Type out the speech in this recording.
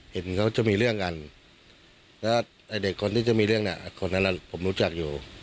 เห็นเขาจะมีเรื่องกันแล้วไอ้เด็กคนที่จะมีเรื่องเนี่ยคนนั้นผมรู้จักอยู่